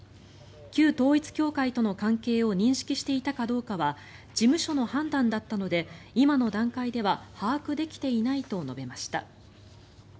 旧統一教会との関係を認識していたかどうかは事務所の判断だったので今の段階では把握できていないと述べました。